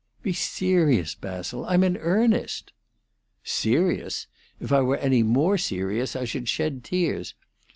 "Be serious, Basil. I'm in earnest." "Serious? If I were any more serious I should shed tears.